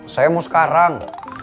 saya mau sekarang